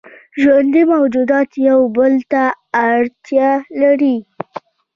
ژوندي موجودات یو بل ته اړتیا لري